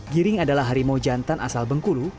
giring adalah harimau jantan asal bengkulu